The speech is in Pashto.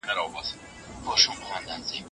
که خویندې ورزشکارې وي نو امید به نه بایلي.